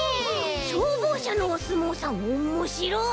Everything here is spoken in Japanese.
しょうぼうしゃのおすもうさんおもしろい！